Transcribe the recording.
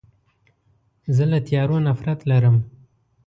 زه له تیارو نفرت لرم.